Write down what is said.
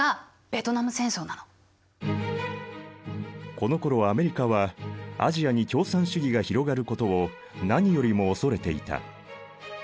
このころアメリカはアジアに共産主義が広がることを何よりも恐れていた。